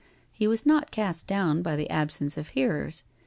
He was not cast down by the absence of hearers.